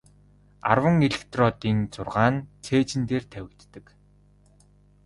Арван электродын зургаа нь цээжин дээр тавигддаг.